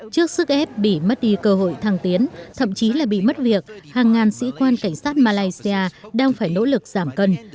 trước sức ép bị mất đi cơ hội thăng tiến thậm chí là bị mất việc hàng ngàn sĩ quan cảnh sát malaysia đang phải nỗ lực giảm cân